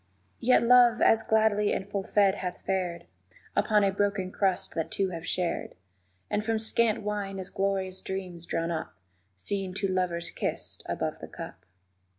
Yet Love as gladly and full fed hath fared Upon a broken crust that two have shared; And from scant wine as glorious dreams drawn up _Seeing two lovers kissed above the cup.